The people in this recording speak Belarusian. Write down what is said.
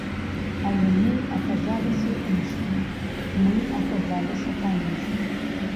Але мы аказаліся іншыя, мы аказаліся паміж.